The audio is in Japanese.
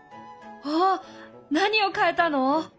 あ何を変えたの？